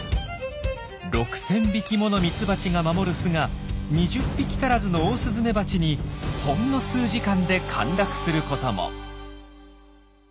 ６，０００匹ものミツバチが守る巣が２０匹足らずのオオスズメバチにほんの数時間で陥落することも。